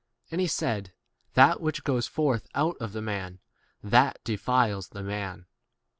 And he said, That which goes forth out of the man, that 21 defiles the man.